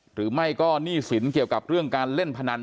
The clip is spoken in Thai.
หรือไม่ก็หนี้สินเกี่ยวกับเรื่องการเล่นพนัน